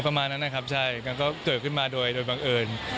ประมาณนั้นนะครับใช่มันก็เกิดขึ้นมาโดยโดยบังเอิญ